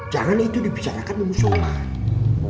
jangan itu dibicarakan dengan sobat